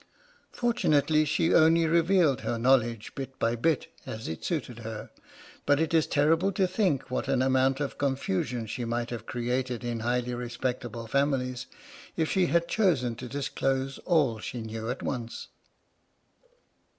Fortunately, she only revealed her knowledge bit by bit as it suited her, but it is terrible to think what an amount of confusion she might have created in highly respectable families if she had chosen to disclose all she knew at once.